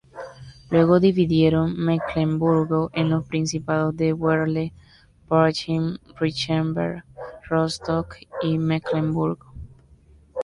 Luego dividieron Mecklemburgo en los principados de Werle, Parchim-Richenberg, Rostock y Mecklemburgo.